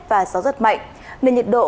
và gió rất mạnh nền nhiệt độ